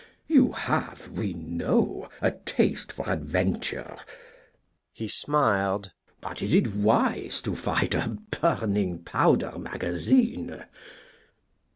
You have, we know, a taste for adventure" he smiled "but is it wise to fight a burning powder magazine?"